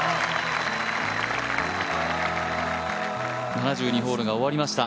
７２ホールが終わりました。